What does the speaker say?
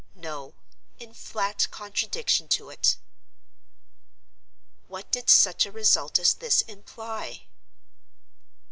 No: in flat contradiction to it. What did such a result as this imply?